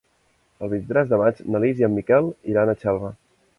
El vint-i-tres de maig na Lis i en Miquel iran a Xelva.